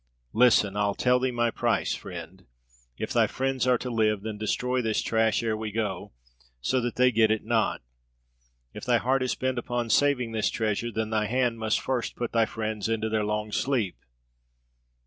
Listen, I'll tell thee my price, friend. If thy friends are to live, then destroy this trash ere we go, so that they get it not. If thy heart is bent upon saving this treasure, then thy hand must first put thy friends into their long sleep.